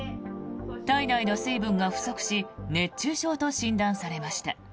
体内の水分が不足し熱中症と診断されました。